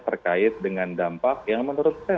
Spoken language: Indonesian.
terkait dengan dampak yang menurut saya